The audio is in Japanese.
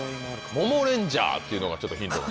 モモレンジャーっていうのがちょっとヒントに。